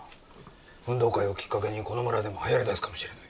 運動会をきっかけにこの村でもはやりだすかもしれない。